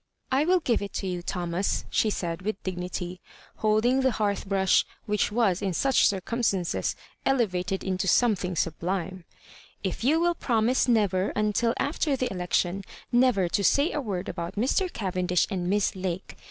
"I will giye it to you, Thomas," she said, with dignity, holdmg the hearth brush, which was in such circumstances eleyated into some thing sublime, "if you will promise neyer, until after the election *neyer to say a word about Mr. Oayendish and Miss Lake.